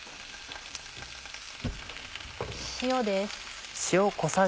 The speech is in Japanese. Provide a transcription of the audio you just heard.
塩です。